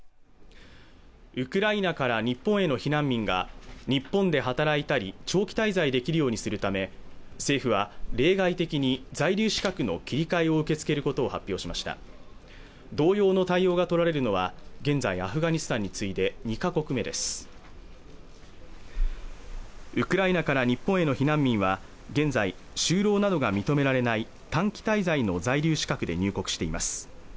ウクライナから日本への避難民が日本で働いたり長期滞在できるようにするため政府は例外的に在留資格の切り替えを受け付けることを発表しました同様の対応がとられるのは現在アフガニスタンに次いで２か国目ですウクライナから日本への避難民は現在就労などが認められない短期滞在の在留資格で入国しています